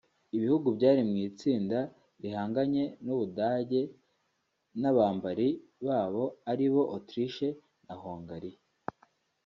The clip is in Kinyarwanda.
Ibihugu byari mu itsinda rihanganye n’u Budage n’abambari babo aribo Autriche na Hongria